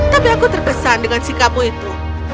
tapi aku terkesan dengan sikapmu itu